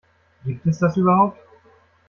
Gibt es das überhaupt?